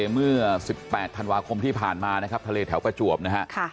เมื่อ๑๘ธันวาคมที่ผ่านมานะครับทะเลแถวประจวบนะฮะ